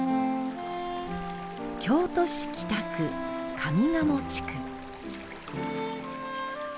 京都市北区、上賀茂地区。